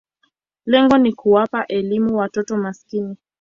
Lengo ni kuwapa elimu watoto maskini.